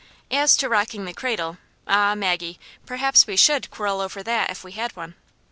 As to rocking the cradle, ah, Maggie, perhaps we should quarrel over that if we had one."